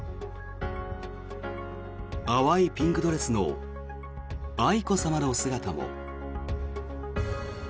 淡いピンクドレスの愛子さまの姿も。